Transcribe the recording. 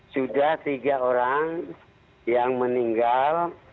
sudah tiga orang yang meninggal